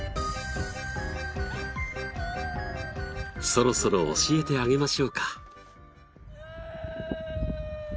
そろそろ教えてあげましょうか。